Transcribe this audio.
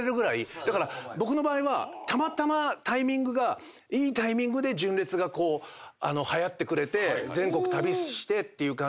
だから僕の場合はたまたまタイミングがいいタイミングで純烈がはやってくれて全国旅してっていう感じで。